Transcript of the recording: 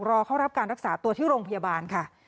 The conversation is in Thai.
รอเข้ารับการรักษาตัวที่โรงพยาบาลค่ะ